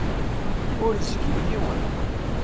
Ur izgil yiwen.